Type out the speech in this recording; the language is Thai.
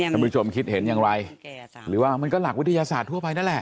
ท่านผู้ชมคิดเห็นอย่างไรหรือว่ามันก็หลักวิทยาศาสตร์ทั่วไปนั่นแหละ